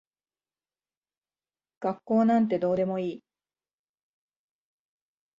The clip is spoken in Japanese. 学校なんてどうでもいい。